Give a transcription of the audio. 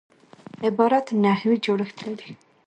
عبارت نحوي جوړښت لري.